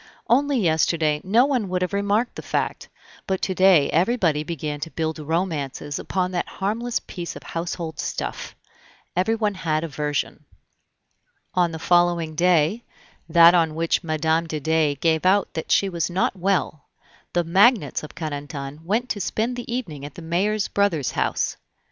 Only yesterday no one would have remarked the fact, but to day everybody began to build romances upon that harmless piece of household stuff. Everyone had a version. On the following day, that on which Mme. de Dey gave out that she was not well, the magnates of Carentan went to spend the evening at the mayor's brother's house.